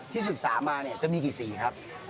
ศึกษามาเนี่ยจะมีกี่สีครับ